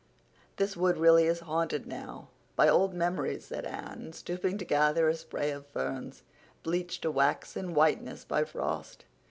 "This wood really is haunted now—by old memories," said Anne, stooping to gather a spray of ferns, bleached to waxen whiteness by frost.